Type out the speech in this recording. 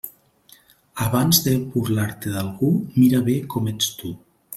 Abans de burlar-te d'algú, mira bé com ets tu.